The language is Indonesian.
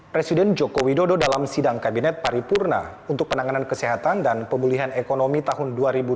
presiden joko widodo dalam sidang kabinet paripurna untuk penanganan kesehatan dan pemulihan ekonomi tahun dua ribu dua puluh